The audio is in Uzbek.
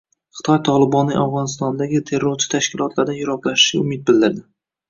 Xitoy Tolibonning Afg‘onistondagi terrorchi tashkilotlardan yiroqlashishiga umid bildirdi